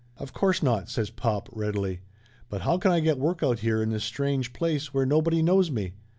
"Of course not !" says pop readily. "But how can I get work out here in this strange place where nobody knows me?